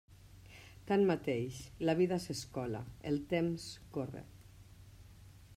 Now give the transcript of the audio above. Tanmateix, la vida s'escola, el temps corre.